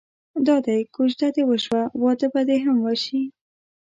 دادی کوژده دې وشوه واده به دې هم وشي.